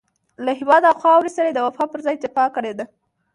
له هېواد او خاورې سره يې د وفا پر ځای جفا کړې ده.